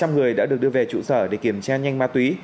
một trăm linh người đã được đưa về trụ sở để kiểm tra nhanh ma túy